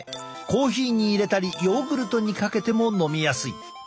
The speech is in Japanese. コーヒーに入れたりヨーグルトにかけても飲みやすい。